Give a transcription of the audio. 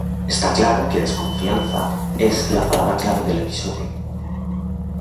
Está claro que desconfianza es la palabra clave del episodio.